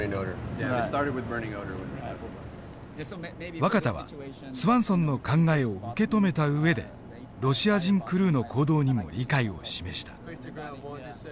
若田はスワンソンの考えを受け止めた上でロシア人クルーの行動にも理解を示した。